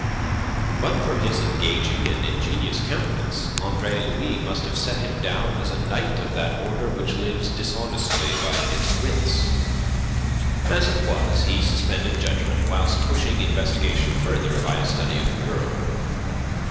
But for his engaging and ingenuous countenance, Andre Louis must have set him down as a knight of that order which lives dishonestly by its wits. As it was, he suspended judgment whilst pushing investigation further by a study of the girl.